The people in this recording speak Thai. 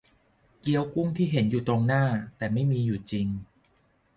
เกี๊ยวกุ้งที่เห็นอยู่ตรงหน้า แต่ไม่มีอยู่จริง